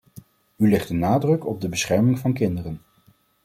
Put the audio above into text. U legt de nadruk op de bescherming van kinderen.